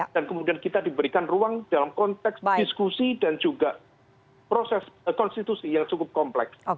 dan kemudian kita diberikan ruang dalam konteks diskusi dan juga proses konstitusi yang cukup kompleks